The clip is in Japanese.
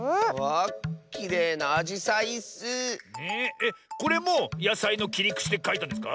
えっこれもやさいのきりくちでかいたんですか？